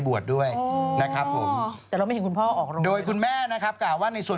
บวชแก้กรรมให้กับลูก